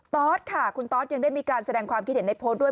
ตอสค่ะคุณตอสยังได้มีการแสดงความคิดเห็นในโพสต์ด้วย